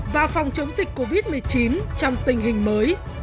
và phòng chống dịch covid một mươi chín trong tình hình mới